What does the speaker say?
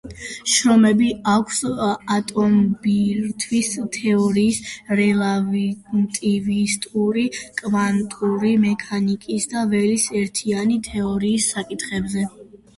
შრომები აქვს ატომბირთვის თეორიის, რელატივისტური კვანტური მექანიკისა და ველის ერთიანი თეორიის საკითხებზე.